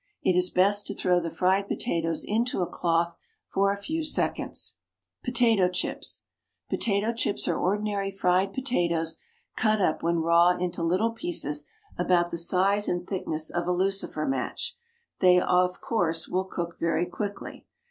It is best to throw the fried potatoes into a cloth for a few seconds. POTATO CHIPS. Potato chips are ordinary fried potatoes cut up when raw into little pieces about the size and thickness of a lucifer match. They, of course, will cook very quickly.